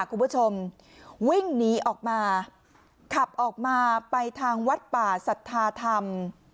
คุณผู้ชมวิ่งหนีออกมาขับออกมาไปทางวัดป่าสัทธาธรรม